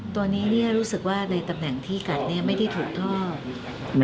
ตัวนี้รู้สึกว่าในตำแหน่งที่กัดไม่ได้ถูกทอด